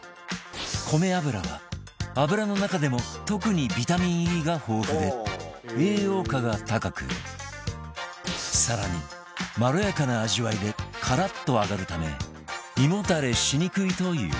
米油は油の中でも特にビタミン Ｅ が豊富で栄養価が高く更にまろやかな味わいでカラッと揚がるため胃もたれしにくいという